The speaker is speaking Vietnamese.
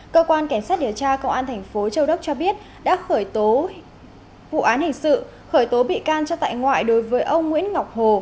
cơ quan cảnh sát điều tra công an thành phố châu đốc cho biết đã khởi tố vụ án hình sự khởi tố bị can cho tại ngoại đối với ông nguyễn ngọc hồ